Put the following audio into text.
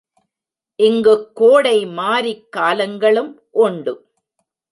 இங்குக் கோடை, மாரிக் காலங்களும் உண்டு.